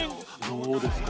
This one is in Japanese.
どうですか？